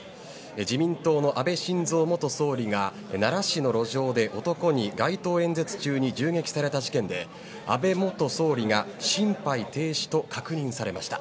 自民党の安倍晋三元総理が奈良市の路上で男に街頭演説中に銃撃された事件で安倍元総理が心肺停止と確認されました。